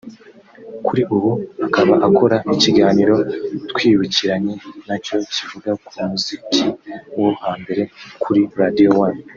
Kuri ubu akaba akora ikiganiro Twibukiranye nacyo kivuga ku muziki wo hambere kuri Radio One